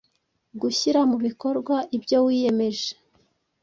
gushyira mu bikorwa ibyo wiyemeje;